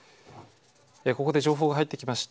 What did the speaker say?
ここで情報が入ってきました。